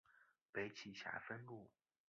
北起霞飞路。